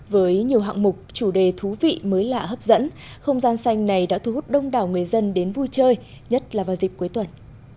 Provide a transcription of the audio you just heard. với nhiều hạng mục chủ đề thú vị mới lạ hấp dẫn không gian xanh này đã thu hút đông đảo người dân đến vui chơi nhất là vào dịp cuối tuần